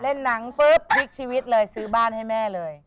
เล่นหนังปุ๊บพลิกชีวิตเลยซื้อบ้านให้แม่เลย